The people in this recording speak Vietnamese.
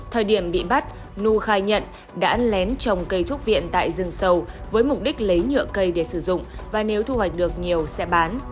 thời điểm bị bắt nu khai nhận đã lén trồng cây thuốc viện tại rừng sâu với mục đích lấy nhựa cây để sử dụng và nếu thu hoạch được nhiều sẽ bán